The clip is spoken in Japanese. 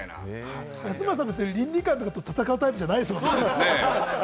安村さん、倫理感と戦うタイプじゃないですもんね。